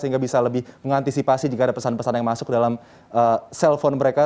sehingga bisa lebih mengantisipasi jika ada pesan pesan yang masuk dalam cell phone mereka